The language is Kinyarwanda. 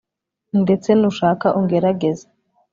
ndetse nushaka ungerageze